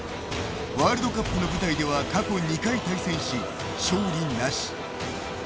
ワールドカップの舞台では過去２回対戦し、勝利なし。